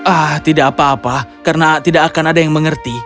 ah tidak apa apa karena tidak akan ada yang mengerti